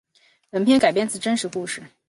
本片改编自真实故事。